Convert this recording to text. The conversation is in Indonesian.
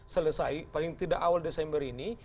selesai paling tidak awal desember ini